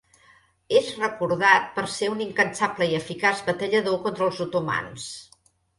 És recordat per ser un incansable i eficaç batallador contra els otomans.